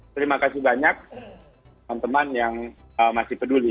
terima kasih banyak teman teman yang masih peduli